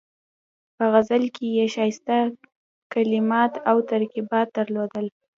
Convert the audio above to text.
په غزل کې یې ښایسته کلمات او ترکیبات درلودل.